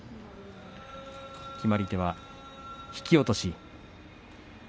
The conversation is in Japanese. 決まり手は引き落とし。